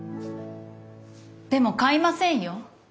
でも買いませんよ。